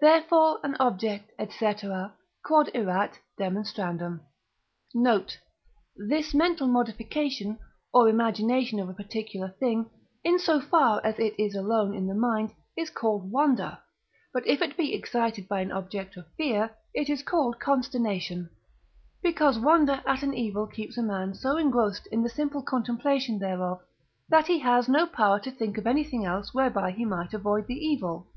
Therefore an object, &c. Q.E.D. Note. This mental modification, or imagination of a particular thing, in so far as it is alone in the mind, is called Wonder; but if it be excited by an object of fear, it is called Consternation, because wonder at an evil keeps a man so engrossed in the simple contemplation thereof, that he has no power to think of anything else whereby he might avoid the evil.